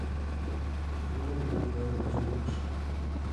Пурын лукмо изумрудшо